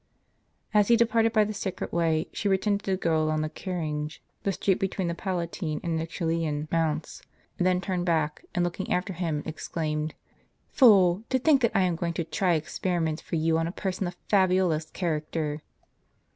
As he departed by the Sacred Way, she pretended to go along the Caringe, the street between the Palatine and the Coelian mounts; then turned back, and looking after him, exclaimed: "Fool! to think that I am going to try experi ments for you on a person of Fabiola's character!